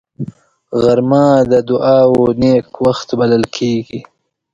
غرمه د دعاو نېک وخت بلل کېږي